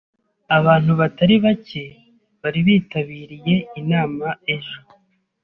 Abantu batari bake bari bitabiriye inama ejo.